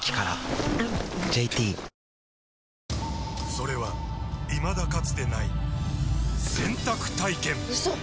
それはいまだかつてない洗濯体験‼うそっ！